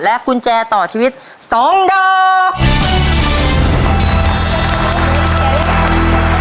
กุญแจต่อชีวิต๒ดอก